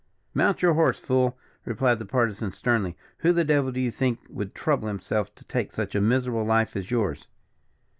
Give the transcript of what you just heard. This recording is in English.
"Mount your horse, fool!" replied the Partisan, sternly, "who the devil do you think would trouble himself to take such a miserable life as yours."